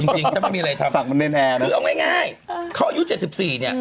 จริงถ้าไม่มีอะไรทำคือเอาง่ายเขาอายุ๗๔เนี่ย